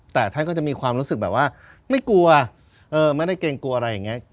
แต่ท่านก็จะมีความรู้สึกแบบว่าไม่กลัวไม่ได้เกรงกลัวอะไรอย่างนี้